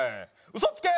嘘つけ！